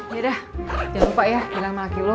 ya udah jangan lupa ya bilang sama laki lo